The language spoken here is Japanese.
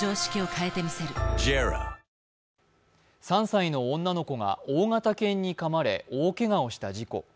３歳の女の子が大型犬にかまれ大けがをした事故。